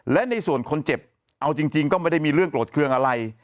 และในส่วนคนเจ็บเอาจริงก็ไม่ได้มีเรื่องโกรธเครื่องอะไร